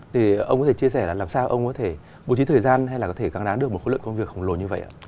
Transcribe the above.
thì ông có thể chia sẻ là làm sao ông có thể bố trí thời gian hay là có thể gán nán được một khối lượng công việc khổng lồ như vậy ạ